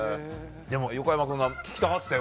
でも横山君が聞きたがってたよ。